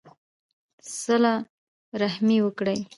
صلہ رحمي وکړئ